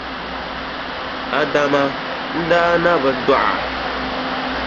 Adama, n daa na bi dɔɣi a.